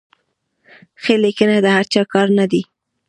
ښه لیکنه د هر چا کار نه دی.